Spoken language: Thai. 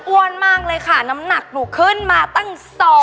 มากเลยค่ะน้ำหนักหนูขึ้นมาตั้ง๒๐๐